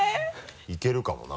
いけるかもな。